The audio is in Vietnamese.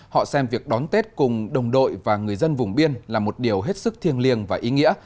họ xem việc đón tết cùng đồng đội và người dân vùng biên là một điều hết sức thiêng liêng và ý nghĩa